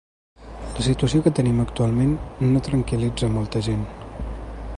La situació que tenim actualment no tranquil·litza molta gent.